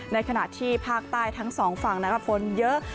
ในขณะที่ภาคใต้ทั้งสองฝั่งฝนเยอะ